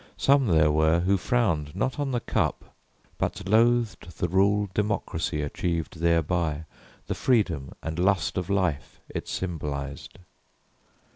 Some there were Who frowned not on the cup but loathed the rule Democracy achieved thereby, the freedom And lust of life it symbolized.